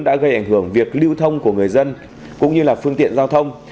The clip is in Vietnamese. đã gây ảnh hưởng việc lưu thông của người dân cũng như là phương tiện giao thông